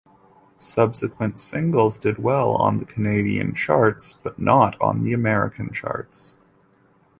Subsequent singles did well on the Canadian charts but not on the American charts.